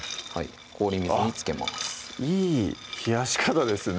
氷水につけますいい冷やし方ですね